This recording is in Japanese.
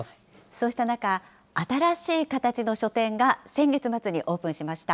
そうした中、新しい形の書店が先月末にオープンしました。